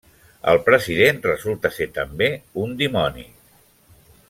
El president resulta ser també un dimoni.